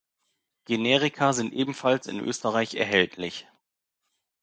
Generika sind ebenfalls in Österreich erhältlich.